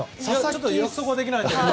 約束できないですけど。